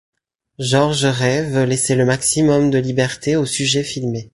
Georges Rey veut laisser le maximum de liberté au sujet filmé.